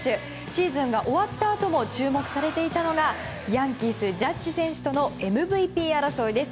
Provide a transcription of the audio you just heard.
シーズンが終わったあとも注目されていたのがヤンキース、ジャッジ選手とのＭＶＰ争いです。